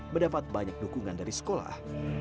mendapat banyak dukungan dari sekolah